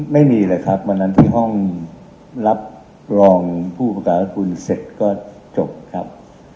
ไม่มีเลยครับวันนั้นที่ห้องรับรองผู้ประกาศคุณเสร็จก็จบครับ